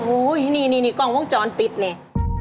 อู้วินี่แบบกองวงจรปิดเนี่ย